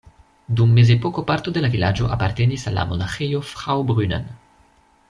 Dum mezepoko parto de la vilaĝo apartenis al la Monaĥejo Fraubrunnen.